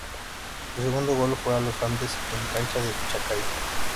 Su segundo gol fue a los Andes en cancha de chacarita.